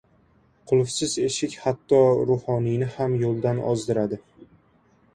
• Qulfsiz eshik hatto ruhoniyni ham yo‘ldan ozdiradi.